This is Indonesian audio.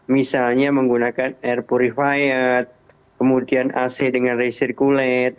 misalnya menggunakan air purified kemudian ac dengan recirculate